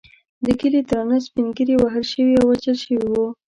د کلي درانه سپین ږیري وهل شوي او وژل شوي وو.